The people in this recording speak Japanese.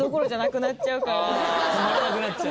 止まらなくなっちゃう。